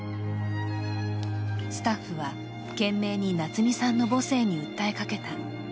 スタッフは懸命に夏美さんの母性に訴えかけた。